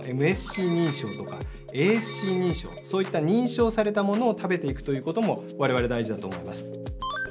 ＭＳＣ認証とかａｓｃ認証そういった認証されたものを食べていくということもわれわれ大事だと思います。